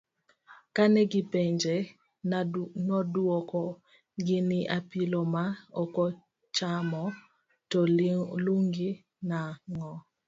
Kane gi penje, noduoko gi ni apilo ma okichamo to lungi nang'o?